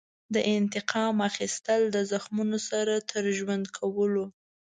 د انتقام اخیستل د زخمونو سره تر ژوند کولو.